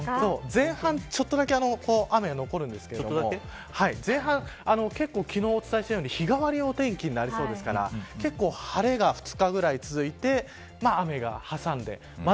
前半ちょっとだけ雨が残るんですけど前半、昨日お伝えしたように日替わりお天気になりそうですから結構、晴れが２日ぐらい続いて雨を挟んで、